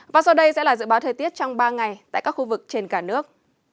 và sau đây sẽ là dự báo thời tiết trong ba ngày tại các khu vực trên cả nước